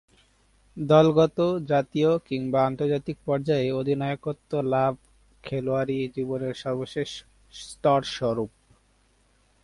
দলগত, জাতীয় কিংবা আন্তর্জাতিক পর্যায়ে অধিনায়কত্ব লাভ খেলোয়াড়ী জীবনের সর্বশেষ স্তরস্বরূপ।